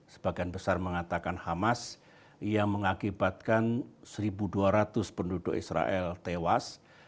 sebagian besar mengatakan hamas yang mengakibatkan satu dua ratus penduduk israel tewas